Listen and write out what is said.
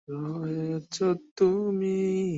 ইংরেজিতে ওনার একাধিক উপন্যাস প্রকাশিত হয়েছে।